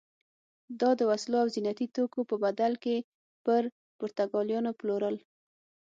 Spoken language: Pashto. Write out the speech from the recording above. دا د وسلو او زینتي توکو په بدل کې پر پرتګالیانو پلورل.